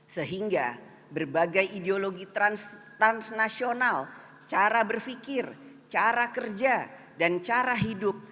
sehingga berbagai ideologi transnasional cara berpikir cara kerja dan cara hidup